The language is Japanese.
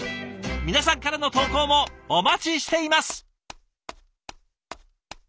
皆さんからの投稿もお待ちしています。